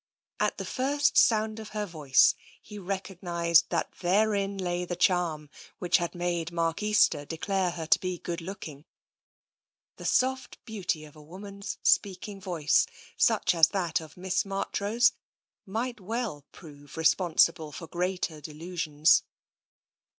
At the first sound of her voice he recognised that therein lay the charm which had made Mark Easter de clare her to be good looking. The soft beauty of a woman's speaking voice such as that of Miss March rose might well prove responsible for greater delusions.